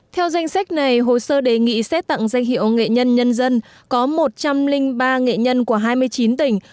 theo danh sách này hồ sơ đề nghị xét tặng danh hiệu nghệ nhân nhân dân có một trăm linh ba nghệ nhân của hai mươi chín tỉnh